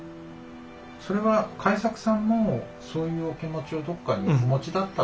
それは開作さんもそういうお気持ちをどこかにお持ちだったと？